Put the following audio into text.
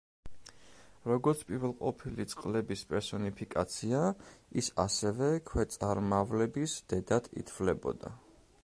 როგორც პირველყოფილი წყლების პერსონიფიკაცია, ის, ასევე, ქვეწარმავლების დედად ითვლებოდა.